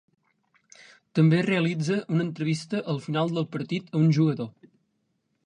També realitza una entrevista al final del partit a un jugador.